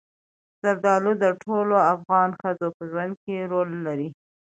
زردالو د ټولو افغان ښځو په ژوند کې رول لري.